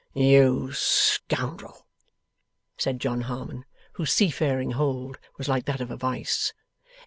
'You scoundrel!' said John Harmon, whose seafaring hold was like that of a vice.